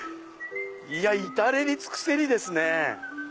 至れり尽くせりですね。